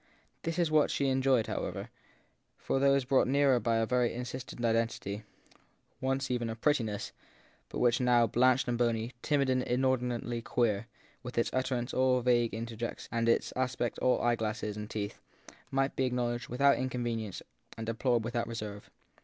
This was what she enjoyed, how ever, for those brought nearer a very insistent identity, once even of prettiness, but which now, blanched and bony, timid and inordinately queer, with its utterance all vague interjec tion and its aspect all eyeglass and teeth, might be acknow ledged without inconvenience and deplored without reserve.